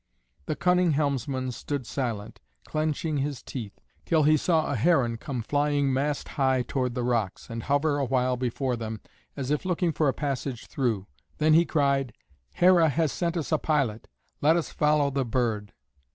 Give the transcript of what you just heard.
The cunning helmsman stood silent, clenching his teeth, till he saw a heron come flying mast high toward the rocks, and hover awhile before them, as if looking for a passage through. Then he cried, "Hera has sent us a pilot; let us follow the bird."